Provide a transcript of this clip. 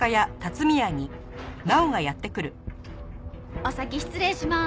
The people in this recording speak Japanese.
お先失礼します。